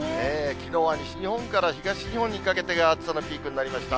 きのうは西日本から東日本にかけてが暑さのピークになりました。